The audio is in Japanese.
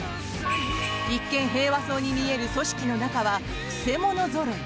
一見平和そうに見える組織の中は曲者ぞろい。